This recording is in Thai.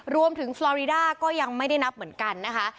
ฟลอรีด้าก็ยังไม่ได้นับเหมือนกันนะคะ